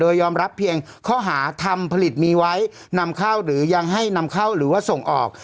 ยอมรับเพียงข้อหาทำผลิตมีไว้นำเข้าหรือยังให้นำเข้าหรือว่าส่งออก